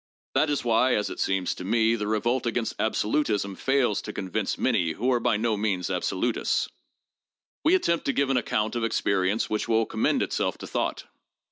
That is why, as it seems to me, the revolt against absolutism fails to convince many who are by no means absolutists. We attempt to give an account of experience which will commend itself to thought.